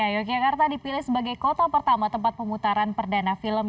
yogyakarta dipilih sebagai kota pertama tempat pemutaran perdana film